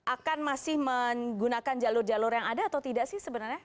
akan masih menggunakan jalur jalur yang ada atau tidak sih sebenarnya